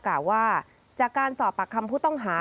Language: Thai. กล่าวว่าจากการสอบปากคำผู้ต้องหา